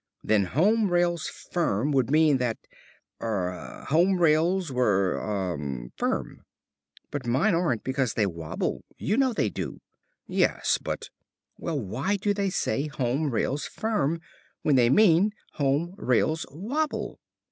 Then 'Home Rails Firm' would mean that er home rails were er firm." "But mine aren't, because they wobble. You know they do." "Yes, but " "Well, why do they say 'Home Rails Firm' when they mean 'Home Rails Wobble'?"